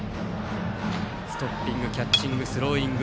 ストッピング、キャッチングスローイング。